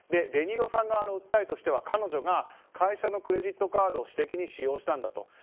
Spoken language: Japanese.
デ・ニーロさん側の訴えとしては彼女が会社のクレジットカードを私的に使用したんだと。